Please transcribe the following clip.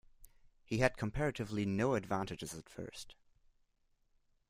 He had comparatively no advantages at first.